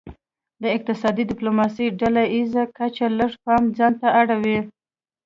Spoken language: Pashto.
د اقتصادي ډیپلوماسي ډله ایزه کچه لږ پام ځانته اړوي